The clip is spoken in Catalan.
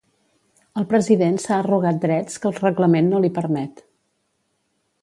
El president s'ha arrogat drets que el reglament no li permet.